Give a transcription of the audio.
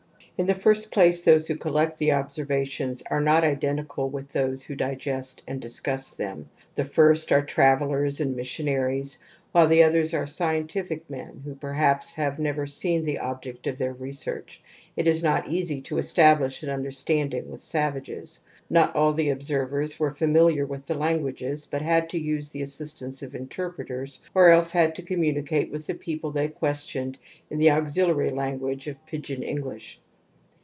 In the first place those who collect the observations are not (identical with those who digest and discuss them; the first are travellers and missionaries, while the others are scientific men who perhaps have never seen the objects of their research. ^It is not easy to establish an understanding with savages. Not all the observers were familiar with the languages but had to use the assistance of interpreters or else had to communicate with the people they questioned in the auxiliary language of pidgin Eng lish.